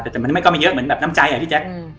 แต่มันก็ไม่เยอะเหมือนน้ำใจเ๘๐๐เนี่ย